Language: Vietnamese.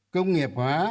công nghiệp hóa